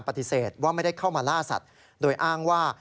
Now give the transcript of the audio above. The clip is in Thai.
ปฏิเสธว่าไม่ได้เข้ามาล่าสัตว์โดยอ้างว่า